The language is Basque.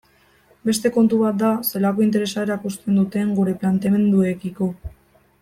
Beste kontu bat da zelako interesa erakusten duten gure planteamenduekiko.